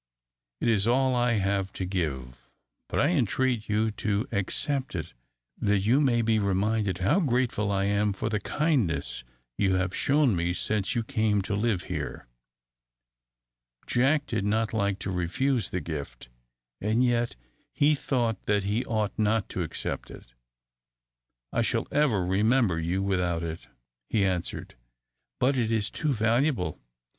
"It is all I have to give, but I entreat you to accept it, that you may be reminded how grateful I am for the kindness you have shown me since you came to live here!" Jack did not like to refuse the gift, and yet he thought that he ought not to accept it. "I should ever remember you without it," he answered. "But it is too valuable.